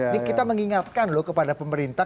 ini kita mengingatkan loh kepada pemerintah